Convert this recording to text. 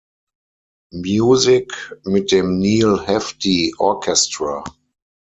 Music" mit dem Neal Hefti Orchestra.